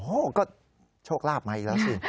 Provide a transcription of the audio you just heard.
โอ้โหก็โชคลาภมาอีกแล้วสิ